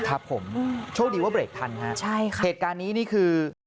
ครับผมโชคดีว่าเบรกทันค่ะเหตุการณ์นี้คือ